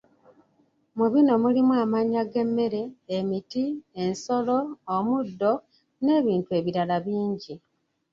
Mu bino mulimu amannya g’emmere, emiti, ensolo, omuddo, n’ebintu ebirala bingi.